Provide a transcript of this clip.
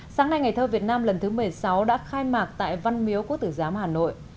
sáng nay ngày thơ việt nam lần thứ một mươi sáu đã khai mạc tại văn miếu quốc tử giám hà nội